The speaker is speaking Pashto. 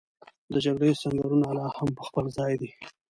د جګړې سنګرونه لا هم په خپل ځای دي.